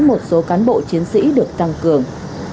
một số cán bộ chiến sĩ được tăng cường